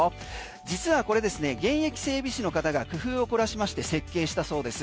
実はこれ、現役整備士の方が工夫を凝らしまして設計したそうです。